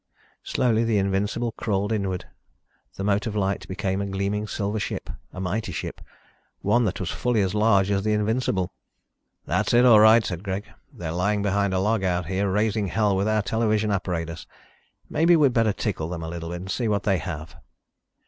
Slowly the Invincible crawled inward. The mote of light became a gleaming silver ship, a mighty ship one that was fully as large as the Invincible! "That's it all right," said Greg. "They're lying behind a log out here raising hell with our television apparatus. Maybe we better tickle them a little bit and see what they have."